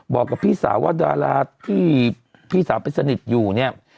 บอกกับพี่สาวว่าดาราที่พี่สาวไปสนิทอยู่เนี่ย